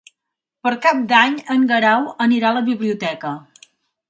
Per Cap d'Any en Guerau anirà a la biblioteca.